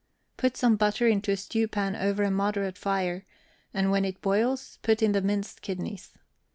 Put some butter into a stewpan over a moderate fire, and when it boils put in the minced kidneys.